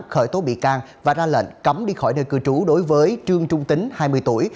khởi tố bị can và ra lệnh cấm đi khỏi nơi cư trú đối với trương trung tính hai mươi tuổi